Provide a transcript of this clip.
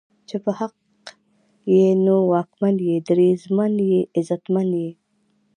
چې په حق ئې نو ځواکمن یې، دریځمن یې، عزتمن یې